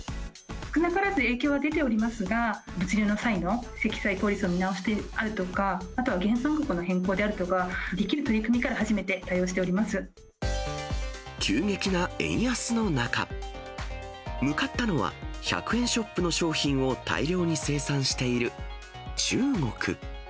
少なからず影響は出ておりますが、物流の際の積載効率の見直しであるとか、あとは原産国の変更であるとか、できる取り組みから始めて対応し急激な円安の中、向かったのは、１００円ショップの商品を大量に生産している中国。